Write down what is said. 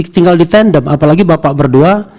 tinggal ditandem apalagi bapak berdua